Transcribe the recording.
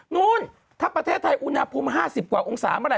นู่นถ้าประเทศไทยอุณหภูมิ๕๐กว่าองศาเมื่อไห